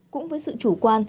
cũng với sự chủ quan